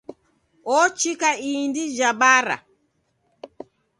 Ochika indi ja bara.